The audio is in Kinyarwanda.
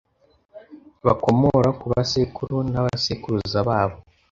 bakomora ku basekuru n’abasekuruza babo.